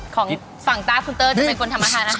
ของฝั่งต้าคุณเต้อจะเป็นคนทำอาหารอ่ะครับ